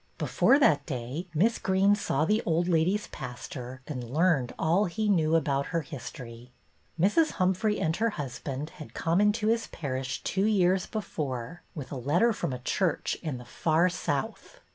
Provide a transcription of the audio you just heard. Before that day, Miss Greene saw the old lady's pastor and learned all he knew about her history. Mrs. Humphrey and her hus band had come into his parish two years before, with a letter from a church in the far South.